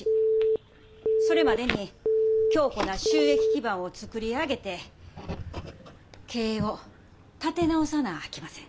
それまでに強固な収益基盤を作り上げて経営を立て直さなあきません。